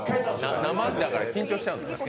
生だから緊張しちゃうんだ。